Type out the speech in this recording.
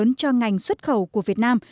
điều này cũng đang là thách thức lớn